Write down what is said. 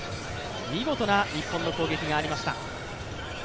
見事な日本の攻撃がありました。